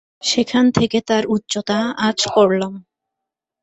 সেখান থেকে তার উচ্চতা আঁচ করলাম।